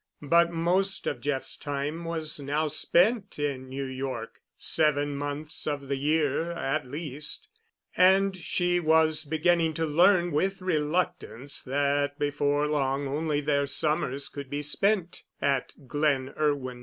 But most of Jeff's time was now spent in New York—seven months of the year at least—and she was beginning to learn with reluctance that before long only their summers could be spent at "Glen Irwin."